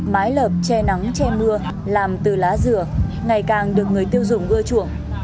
mái lợp che nắng che mưa làm từ lá dừa ngày càng được người tiêu dùng ưa chuộng